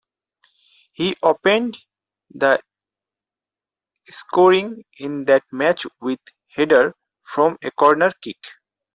He opened the scoring in that match with a header from a corner kick.